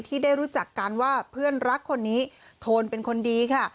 ที่ได้รู้จักกันว่าเพื่อนรักคนนี้โทนเป็นคนดีค่ะ